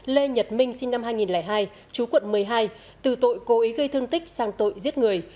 lê nhật minh sinh năm hai nghìn hai chú quận một mươi hai từ tội cố ý gây thương tích sang tội giết người